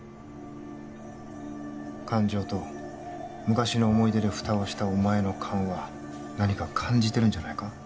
感情と昔の思い出でフタをしたお前の勘は何か感じてるんじゃないか？